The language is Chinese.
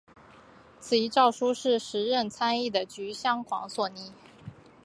此一诏书是时任参议的橘广相所拟。